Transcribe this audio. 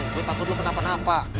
gue takut lo kenapa kenapa